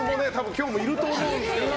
今日もいると思うんですけどね。